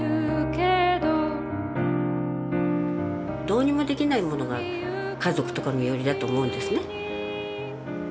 どうにもできないものが家族とか身寄りだと思うんですね。